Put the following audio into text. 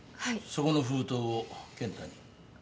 そこの封筒を健太に。